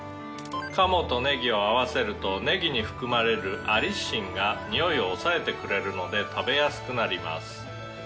「鴨とねぎを合わせるとねぎに含まれるアリシンがにおいを抑えてくれるので食べやすくなります」